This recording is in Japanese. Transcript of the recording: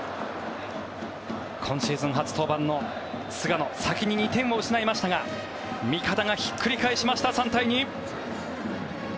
今シーズン初登板の菅野先に２点を失いましたが味方がひっくり返しました３対２。